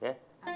ini jadi gampang